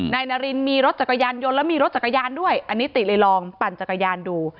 นายนารินมีรถจักรยานยนต์แล้วมีรถจักรยานด้วยอันนี้ติเลยลองปั่นจักรยานดู